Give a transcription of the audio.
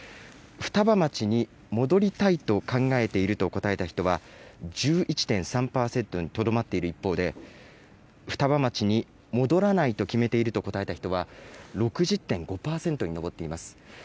双葉町に戻りたいと考えていると答えた人は、１１．３％にとどまっている一方で、双葉町に戻らないと決めていると答えた人は、６０．５％に上っています。